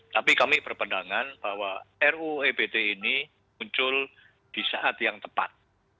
tapi kami berpendangan bahwa ruu ebt ini muncul di saat yang tepat